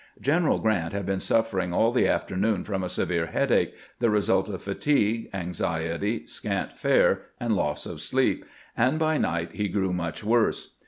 General Grant had been suffering aU the afternoon from a severe headache, the result of fatigue, anxiety, scant fare, and loss of sleep, and by night he grew much worse.